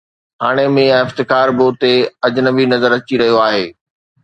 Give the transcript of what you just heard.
هاڻي ميان افتخار به اتي اجنبي نظر اچي رهيو آهي.